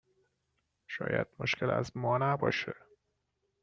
شاید مشکل از ما نباشه